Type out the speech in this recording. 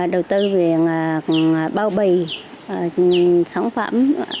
đầu tư về bao bầy sản phẩm